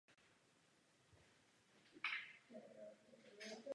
Dosavadní mlýnské vodní kolo kapacitně nestačilo na množství energetické výroby.